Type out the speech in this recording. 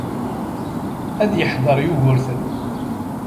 Ad yeḥdeṛ Yugurten.